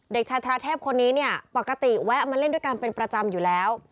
เด็กชายธรเทพคนนี้เนี่ยปกติแวะมาเล่นด้วยกันเป็นประจำอยู่แล้ว